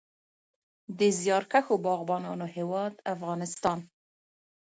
د زیارکښو باغبانانو هیواد افغانستان.